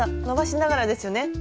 伸ばしながらですよね。